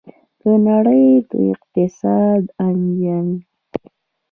د نړۍ د اقتصاد انجن.